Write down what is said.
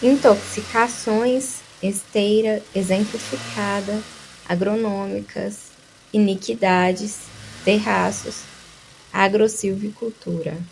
intoxicações, esteira, exemplificada, agronômicas, iniquidades, terraços, agrossilvicultura